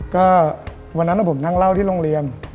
ก็วันนั้นผมนั่งเล่าที่โรงเรียน